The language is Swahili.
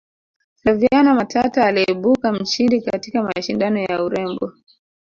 flaviana matata aliibuka mshindi katika mashindano ya urembo